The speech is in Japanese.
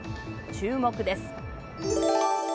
注目です。